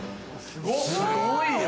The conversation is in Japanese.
すごいよ。